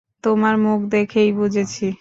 তোমার মুখ দেখেই বুঝেছি।